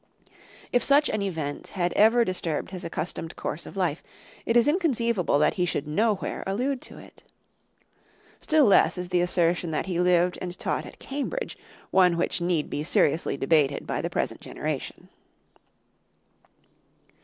If such an event had ever disturbed his accustomed course of life, it is inconceivable that he should nowhere allude to it. Still less is the assertion that he lived and taught at Cambridge one which need be seriously debated by the present generation.